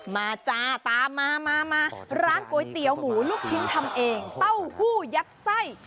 จ้าตามมามาร้านก๋วยเตี๋ยวหมูลูกชิ้นทำเองเต้าหู้ยัดไส้